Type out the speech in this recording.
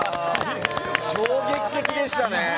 衝撃的でしたね。